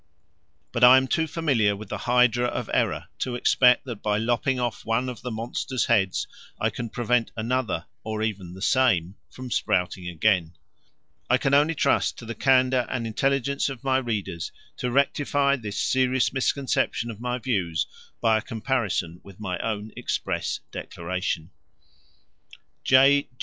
But I am too familiar with the hydra of error to expect that by lopping off one of the monster's heads I can prevent another, or even the same, from sprouting again. I can only trust to the candour and intelligence of my readers to rectify this serious misconception of my views by a comparison with my own express declaration. J.